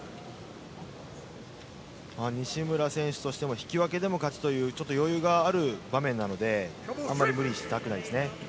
西村選手としても引き分けでも勝ちというちょっと余裕がある場面なのであんまり無理したくないですね。